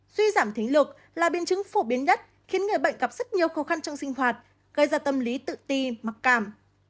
duy giảm thính lực là biến chứng phổ biến nhất khiến người bệnh gặp rất nhiều khó khăn trong sinh hoạt gây ra tâm lý tự ti mặc cảm